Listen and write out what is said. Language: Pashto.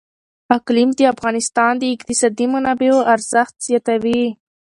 اقلیم د افغانستان د اقتصادي منابعو ارزښت زیاتوي.